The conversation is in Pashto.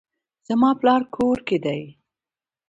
زما پلار کور کې دی